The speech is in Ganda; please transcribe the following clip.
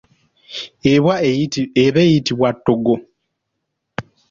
Eba eyitibwa ttoggo.